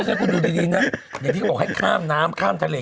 อย่างที่เขาบอกให้ข้ามน้ำข้ามทะเล